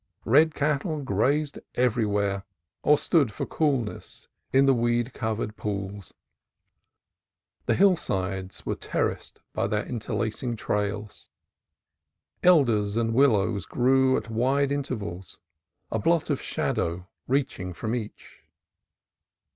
Red cattle grazed everywhere or stood for coolness in the weed covered pools. The hillsides were terraced by their interlacing trails. Elders and willows grew at wide intervals, a blot of shadow reaching from each.